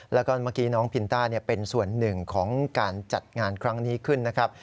แล้วก็เมื่อกี้น้องพินต้าเป็นส่วนหนึ่งของการจัดงานครั้งนี้ขึ้นนะครับ